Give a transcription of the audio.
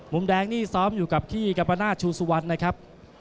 มุมแดงนี่ซ้อมอยู่กับพี่กัมปนาศชูสุวรรณนะครับ